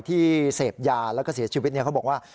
ที่เสพยาแล้วก็เสียชีวิตเขาบอกว่า